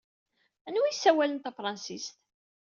Anwa ay yessawalen tafṛensist?